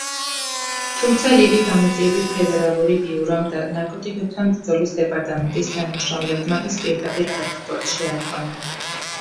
თუმცა ლირი გამოძიების ფედერალური ბიურომ და ნარკოტიკებთან ბრძოლის დეპარტამენტის თანამშრომლებმა ის პირდაპირ აეროპორტში აიყვანა.